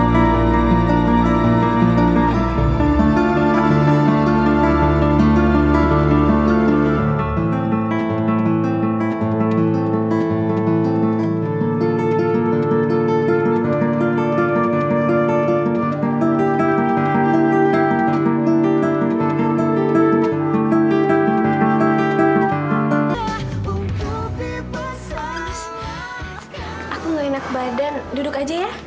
kemana sih mereka